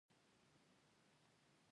پلار ولې د کور چت دی؟